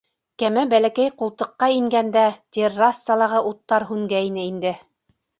Кәмә бәләкәй ҡултыҡҡа ингәндә, Террасалағы уттар һүнгәйне инде.